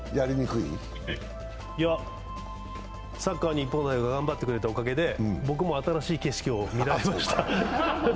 いや、サッカー日本代表が頑張ってくれたおかげで僕も新しい景色を見られました。